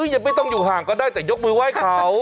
ยังไม่ต้องอยู่ห่างก็ได้แต่ยกมือไหว้เขา